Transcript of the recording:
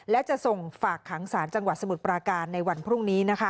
และจะส่งฝากขังสารจังหวัดสมุทรปราการในวันพรุ่งนี้